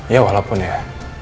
ya walaupun ya